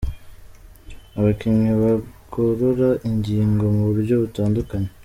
Abakinnyi bagorora ingingo mu buryo butandukanye.